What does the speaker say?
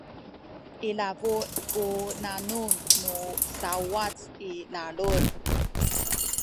ilabu ku nanum nu sauwac i lalud